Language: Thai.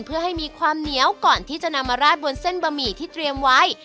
เพื่อให้มีความเหนียวก่อนที่จะนำมาราดบนเส้นบะหมี่ที่เตรียมไว้